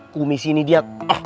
kumis ini dia